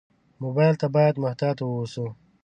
موبایل ته باید محتاط ووسو.